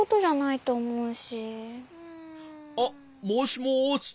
あっもしもし。